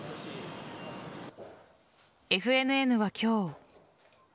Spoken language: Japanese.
ＦＮＮは今日。